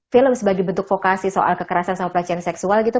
film sebagai bentuk vokasi soal kekerasan sama pelecehan seksual gitu